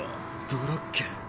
ドラッケン。